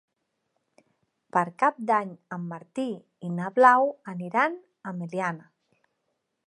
Per Cap d'Any en Martí i na Blau aniran a Meliana.